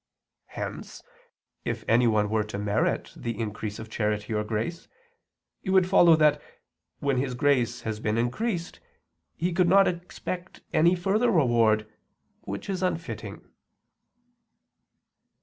Hence, if anyone were to merit the increase of charity or grace, it would follow that, when his grace has been increased, he could not expect any further reward, which is unfitting.